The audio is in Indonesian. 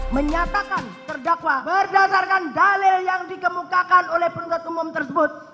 menyatakan terdakwa berdasarkan dalil yang dikemukakan oleh penuntut umum tersebut